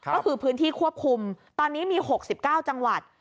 ก็คือพื้นที่ควบคุมตอนนี้มี๖๙จังหวัด